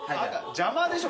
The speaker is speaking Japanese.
邪魔でしょ。